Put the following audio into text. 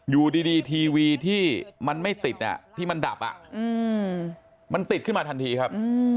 อยู่ดีทีวีที่มันไม่ติดที่มันดับมันติดขึ้นมาทันทีครับ